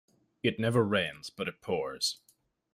It never rains but it pours.